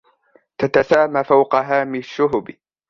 تتسامى فوق هامِ الشُهُبِ